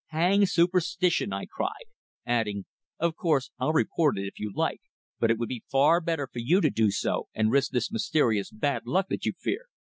"Hang superstition!" I cried. Adding: "Of course, I'll report it if you like, but it would be far better for you to do so and risk this mysterious bad luck that you fear."